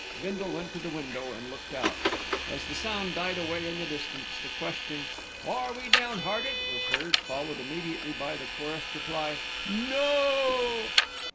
Bindle went to the window and looked out. As the sound died away in the distance, the question "Are we downhearted?" was heard, followed immediately by the chorused reply: "Noooooooo!"